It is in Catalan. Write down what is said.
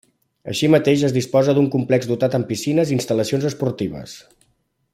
Així mateix es disposa d'un complex dotat amb piscines i instal·lacions esportives.